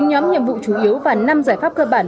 bốn nhóm nhiệm vụ chủ yếu và năm giải pháp cơ bản